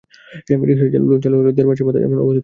Rickshaw lane চালু হওয়ার দেড় মাসের মাথায় এমন অবস্থা তৈরি হলো।